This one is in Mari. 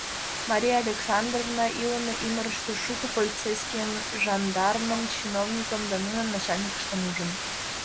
Мария Александровна илыме ӱмырыштӧ шуко полицейскийым, жандармын, чиновникым да нунын начальникыштым ужын